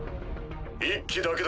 １機だけだ。